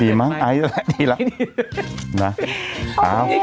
ดีมั้งไอมอนเตอร์ดีแล้วดีแล้วนะโอเค